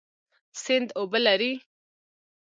سیند اوبه لري